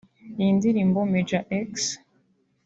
Iyi ndirimbo Major X